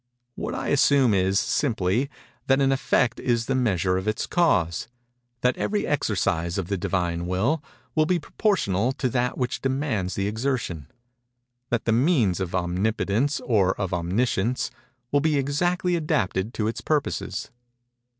What I assume is, simply, that an effect is the measure of its cause—that every exercise of the Divine Will will be proportional to that which demands the exertion—that the means of Omnipotence, or of Omniscience, will be exactly adapted to its purposes.